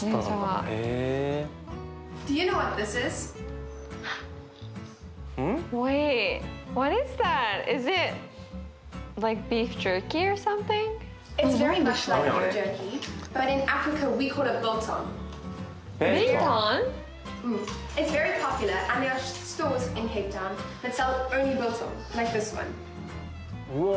うわ。